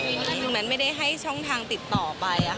คือแมทไม่ได้ให้ช่องทางติดต่อไป